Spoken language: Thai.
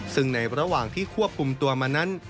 ซึ่งในระหว่างที่ควบคุมตัวมานั้น